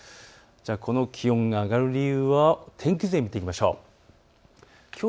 この気温が上がる理由を天気図で見ていきましょう。